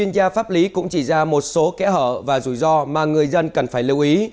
gia pháp lý cũng chỉ ra một số kẽ hở và rủi ro mà người dân cần phải lưu ý